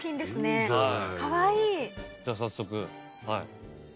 じゃあ早速はい。